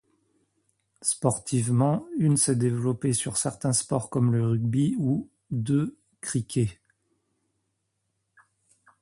Sportivement, une s'est développée sur certains sports comme que le rugby ou de cricket.